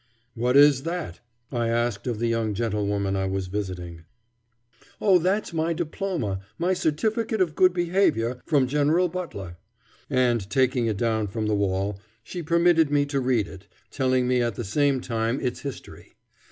"What is that?" I asked of the young gentlewoman I was visiting. "Oh, that's my diploma, my certificate of good behavior, from General Butler;" and taking it down from the wall, she permitted me to read it, telling me at the same time its history.